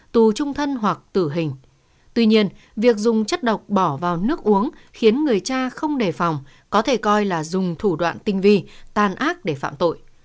tuy nhiên việc dùng chất độc bỏ vào nước uống khiến người cha không đề phòng có thể coi là dùng thủ đoạn tinh vi tàn ác để phạm tội